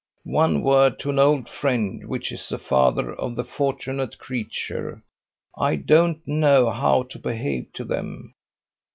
"One word to an old friend. Which is the father of the fortunate creature? I don't know how to behave to them."